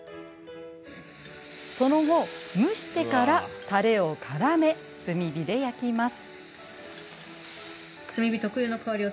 その後、蒸してからたれをからめ、炭火で焼きます。